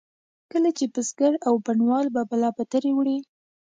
کله چې بزګر او بڼوال به بلابترې وړې.